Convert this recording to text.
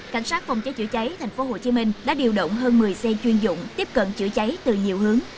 cảnh sát phòng cháy chữa cháy tp hcm đã điều động hơn một mươi xe chuyên dụng tiếp cận chữa cháy từ nhiều hướng